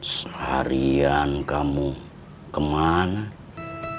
seharian kamu kemana